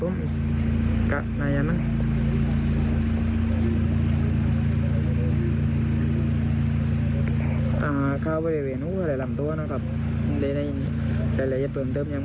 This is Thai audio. โอเคครับ